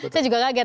saya juga kaget